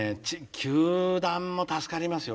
球団も助かりますよ。